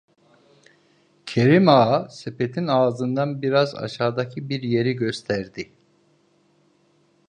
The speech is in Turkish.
Kerim Ağa sepetin ağzından biraz aşağıdaki bir yeri gösterdi: